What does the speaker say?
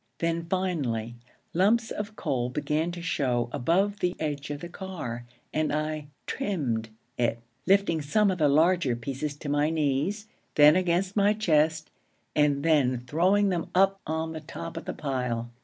Then, finally, lumps of coal began to show above the edge of the car, and I 'trimmed' it, lifting some of the larger pieces to my knees, then against my chest, and then throwing them up on the top of the pile.